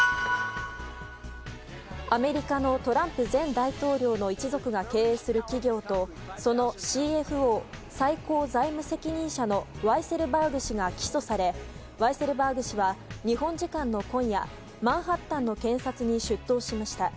アメリカのトランプ前大統領の一族が経営する企業とそのＣＦＯ・最高財務責任者のワイセルバーグ氏が起訴されワイセルバーグ氏は日本時間の今夜マンハッタンの検察に出頭しました。